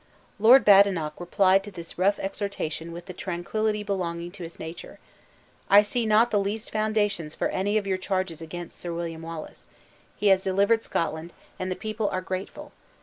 Lord Badenoch replied to this rough exhortation with the tranquillity belonging to his nature "I see not the least foundations for any of your charges against Sir William Wallace. He has delivered Scotland, and the people are grateful.